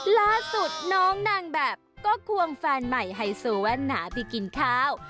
ล่าสุดน้องนางแบบก็ควงแฟนใหม่ไฮโซแว่นหนาไปกินข้าว